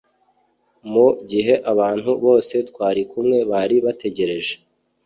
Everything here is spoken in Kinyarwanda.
Mu gihe abantu bose twari kumwe bari bategereje